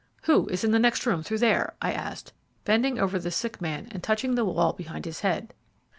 "Who is in the next room through there?" I asked, bending over the sick man and touching the wall behind his head.